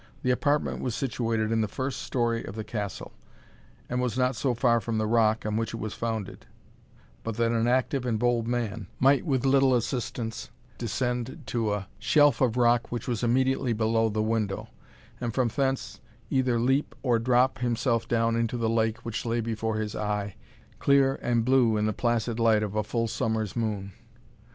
The apartment was situated in the first story of the castle; and was not so far from the rock, on which it was founded, but that an active and bold man might with little assistance descend to a shelf of rock which was immediately below the window, and from thence either leap or drop himself down into the lake which lay before his eye, clear and blue in the placid light of a full summer's moon.